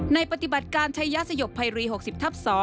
ปฏิบัติการชายสยบภัยรี๖๐ทับ๒